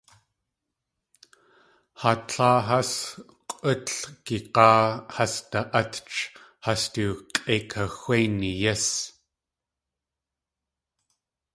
Haa tláa hás k̲útlʼgig̲áa has na.átch has du k̲ʼeikaxwéini yís.